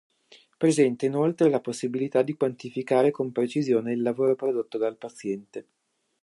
Presenta inoltre la possibilità di quantificare con precisione il lavoro prodotto dal paziente.